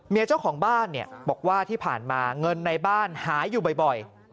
เจ้าของบ้านบอกว่าที่ผ่านมาเงินในบ้านหายอยู่บ่อย